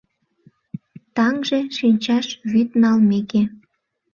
Таҥже шинчаш вӱд налмеке